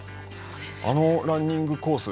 あのランニングコース